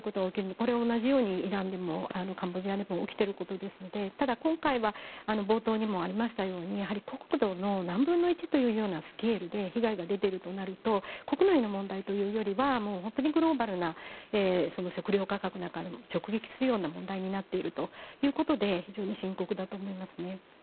これは同じようにイランやカンボジアでも起きていることですのでただ、今回は冒頭にもありましたように国土の何分の１というようなスケールで被害が出ているとなると国内の問題というよりは本当にグローバルな食料価格なんかを直撃するような問題になっているということで非常に深刻だと思います。